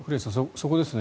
そこですね。